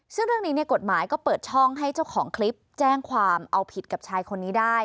ซึ่งเรื่องนี้กฎหมายก็เปิดช่องให้เจ้าของคลิปแจ้งความเอาผิดกับชายคนนี้ได้